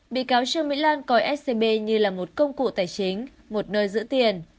bị cáo trương mỹ lan coi scb như là một công cụ tài chính một nơi giữ tiền